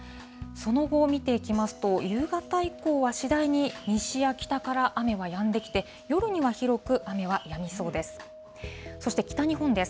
その後を見ていきますと、夕方以降は次第に西や北から雨はやんできて、夜には広く雨はやみそうです。